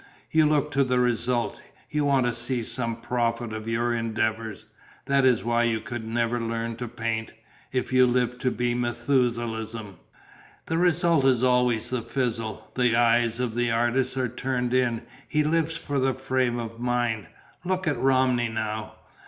"You look to the result, you want to see some profit of your endeavours: that is why you could never learn to paint, if you lived to be Methusalem. The result is always a fizzle: the eyes of the artist are turned in; he lives for a frame of mind. Look at Romney, now.